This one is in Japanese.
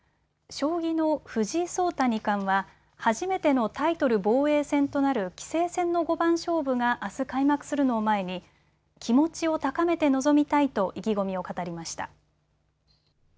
将棋の藤井聡太二冠は初めてのタイトル防衛戦となる棋聖戦の五番勝負があす開幕するのを前に気持ちを高めて臨みたいと意気込みを語りました。